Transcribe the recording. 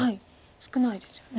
少ないですよね。